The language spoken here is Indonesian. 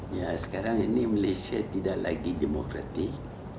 ya sekarang ini malaysia tidak lagi demokratik